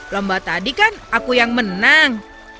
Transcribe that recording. lomba tadi kan aku yang menang